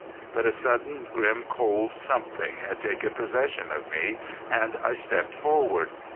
But a sudden, grim, cold something had taken possession of me, and I stepped forward.